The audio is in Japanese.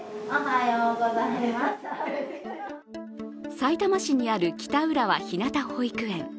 さいたま市にある北浦和ひなた保育園。